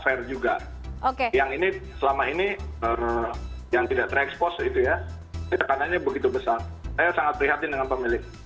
dan ini begitu besar saya sangat prihatin dengan pemilik